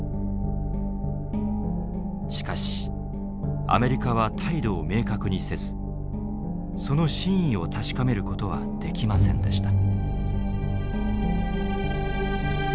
しかしアメリカは態度を明確にせずその真意を確かめることはできませんでした。